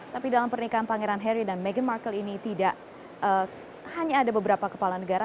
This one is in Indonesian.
tapi dalam pernikahan pangeran harry dan meghan markle ini tidak hanya ada beberapa kepala negara